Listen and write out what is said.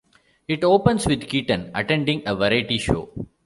It opens with Keaton attending a variety show.